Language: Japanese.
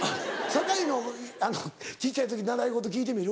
酒井の小ちゃい時習い事聞いてみる？